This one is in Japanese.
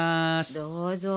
どうぞ。